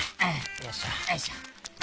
よいしょ。